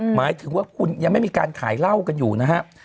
หมายถึงว่าคุณยังไม่มีการขายเหล้ากันอยู่นะครับ